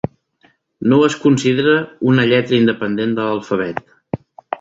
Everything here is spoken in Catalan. No es considera una lletra independent de l'alfabet.